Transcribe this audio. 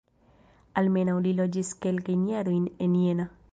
Almenaŭ li loĝis kelkajn jarojn en Jena.